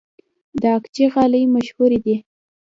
د اقچې غالۍ مشهورې دي